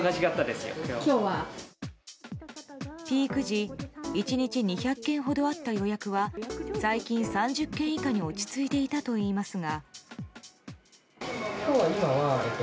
ピーク時１日２００件ほどあった予約は最近、３０件以下に落ち着いていたといいますが。